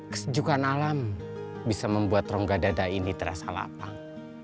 kesejukan alam bisa membuat rongga dada ini terasa lapang